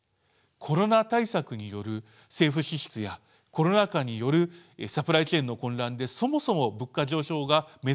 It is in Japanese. コロナ対策による政府支出やコロナ禍によるサプライチェーンの混乱でそもそも物価上昇が目立っている中